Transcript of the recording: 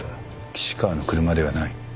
岸川の車ではない。